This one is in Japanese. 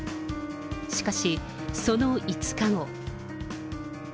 しかし、その５日後。